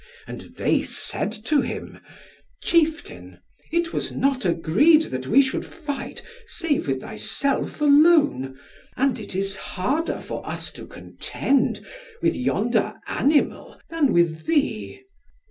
And they said to him, "Chieftain, it was not agreed that we should fight, save with thyself alone, and it is harder for us to contend with yonder animal, than with thee."